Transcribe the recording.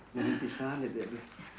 nyantik salib ya bu